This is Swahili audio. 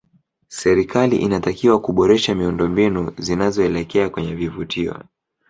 serikali inatakiwa kuboresha miundo mbinu zinazoelekea kwenye vivutio